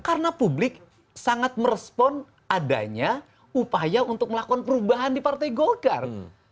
karena publik sangat merespon adanya upaya untuk melakukan perubahan di partai golkar